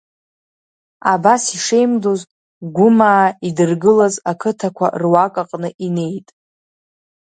Абас ишеимдоз Гәымаа идыргылаз ақыҭақәа руак аҟны инеит.